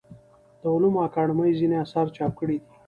د علومو اکاډمۍ ځینې اثار چاپ کړي دي.